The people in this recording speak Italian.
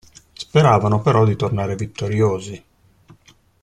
Speravano, però, di tornare vittoriosi.